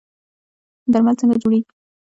درمل څنګه جوړیږي؟